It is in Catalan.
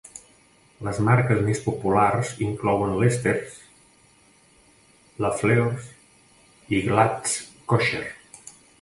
Les marques més populars inclouen Lesters, Lafleur's, i Glatt's kosher.